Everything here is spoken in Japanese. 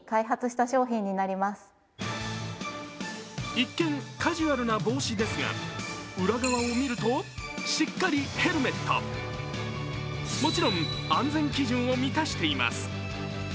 一見、カジュアルな帽子ですが、裏側を見るとしっかりヘルメット、もちろん安全基準を満たしています。